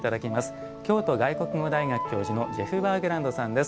京都外国語大学教授のジェフ・バーグランドさんです。